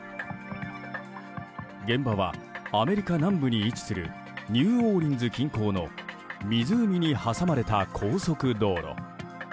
現場はアメリカ南部に位置するニューオーリンズ近郊の湖に挟まれた高速道路。